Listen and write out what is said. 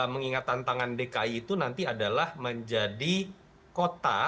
mengingat tantangan dki itu nanti adalah menjadi kota